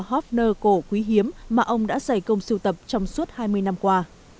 hofner cổ quý hiếm mà ông đã giải công sưu tập trong suốt hai mươi năm qua